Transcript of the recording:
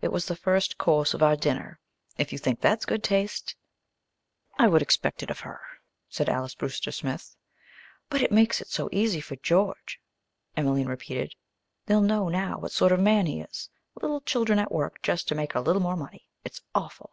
It was the first course of our dinner. If you think that's good taste " "I would expect it of her," said Alys Brewster Smith. "But it makes it so easy for George," Emelene repeated. "They'll know now what sort of a man he is. Little children at work, just to make a little more money it's awful!"